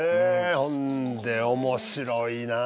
ほんで面白いなあ。